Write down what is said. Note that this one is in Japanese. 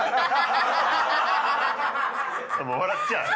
笑っちゃう？